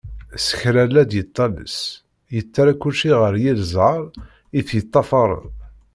S kra la d-yettales, yettarra kulci ɣer yir ẓẓher i t-yeṭṭafaren.